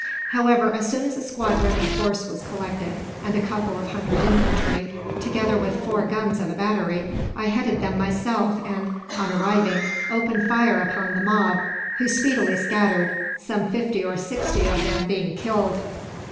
However, as soon as a squadron of horse was collected, and a couple of hundred infantry, together with four guns of a battery, I headed them myself and, on arriving, opened fire upon the mob; who speedily scattered, some fifty or sixty of them being killed.